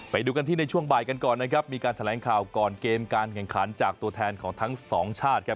ไปดูกันที่ในช่วงบ่ายกันก่อนนะครับมีการแถลงข่าวก่อนเกมการแข่งขันจากตัวแทนของทั้งสองชาติครับ